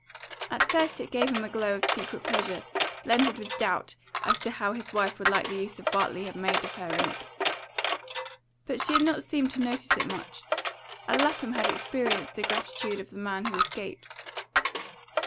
At first it gave him a glow of secret pleasure, blended with doubt as to how his wife would like the use Bartley had made of her in it. But she had not seemed to notice it much, and Lapham had experienced the gratitude of the man who escapes.